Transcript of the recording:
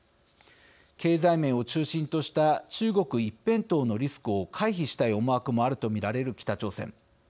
経済面を中心とした中国一辺倒のリスクを回避したい思惑もあると見られる北朝鮮。